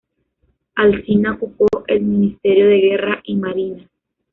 Alsina ocupó el Ministerio de Guerra y Marina.